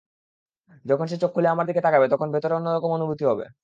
যখন সে চোখ খুলে আমার দিকে তাকাবে, নিজের ভেতর অন্যরকম অনুভূতি হবে।